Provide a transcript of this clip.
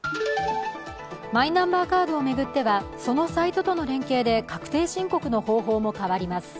マイナンバーカードを巡ってはそのサイトとの連携で確定申告の方法も変わります。